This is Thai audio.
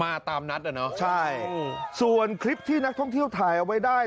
ตามนัดอ่ะเนอะใช่ส่วนคลิปที่นักท่องเที่ยวถ่ายเอาไว้ได้